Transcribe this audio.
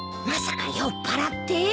まさか酔っぱらって？